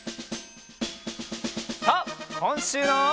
さあこんしゅうの。